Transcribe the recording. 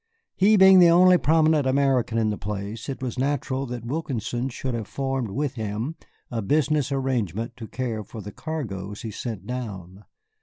He being the only prominent American in the place, it was natural that Wilkinson should have formed with him a business arrangement to care for the cargoes he sent down.